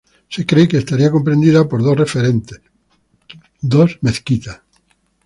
Se cree que estaría comprendida por dos referentes, dos mezquitas.